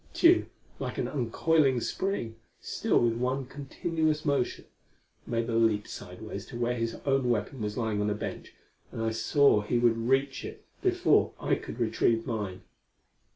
Tugh, like an uncoiling spring, still with one continuous motion, made a leap sidewise to where his own weapon was lying on a bench, and I saw he would reach it before I could retrieve mine.